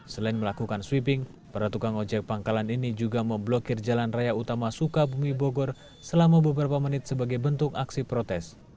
selain melakukan sweeping para tukang ojek pangkalan ini juga memblokir jalan raya utama sukabumi bogor selama beberapa menit sebagai bentuk aksi protes